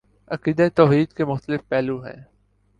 عقیدہ توحید کے مختلف پہلو ہیں